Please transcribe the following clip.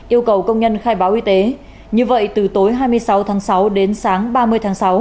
yêu cầu công nhân khai báo y tế như vậy từ tối hai mươi sáu tháng sáu đến sáng ba mươi tháng sáu